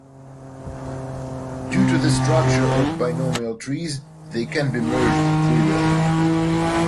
Due to the structure of binomial trees, they can be merged trivially.